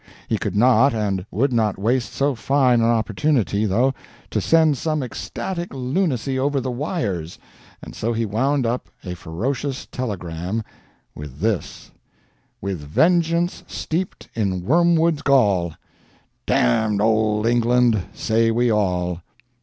He could not and would not waste so fine an opportunity, though, to send some ecstatic lunacy over the wires, and so he wound up a ferocious telegram with this: WITH VENGEANCE STEEPED IN WORMWOOD'S GALL! D—D OLD ENGLAND, SAY WE ALL!